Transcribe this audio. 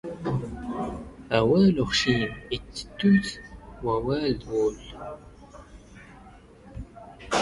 ⴰⵡⴰⵍ ⵓⵅⵛⵉⵏ ⵉⵜⵜⴻⵜⵜⵓ ⵜ ⵡⴰⵍⵍⵉ ⴷ ⵡⵓⵍ